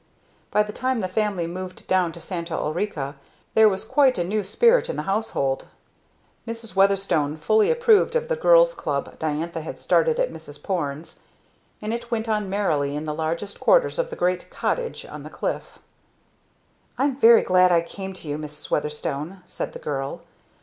By the time the family moved down to Santa Ulrica, there was quite a new spirit in the household. Mrs. Weatherstone fully approved of the Girls' Club Diantha had started at Mrs. Porne's; and it went on merrily in the larger quarters of the great "cottage" on the cliff. "I'm very glad I came to you, Mrs. Weatherstone," said the girl.